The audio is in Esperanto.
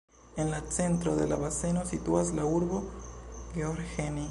En la centro de la baseno situas la urbo Gheorgheni.